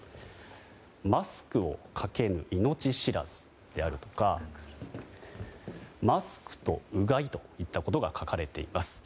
「マスクをかけぬ命知らず」であるとか「マスクとうがい」といったことが書かれています。